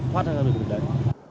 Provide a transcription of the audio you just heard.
hoặc là người dân sẽ đánh